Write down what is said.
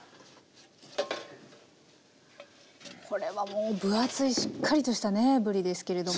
これはもう分厚いしっかりとしたねぶりですけれども。